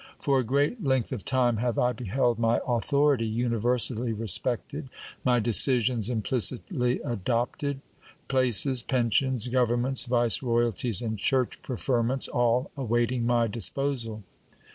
For a great length of time have I beheld my authority universally respected, my decisions implicitly ad opted, places, pensions, governments, vice royalties, and church preferments all awaiting my disposal.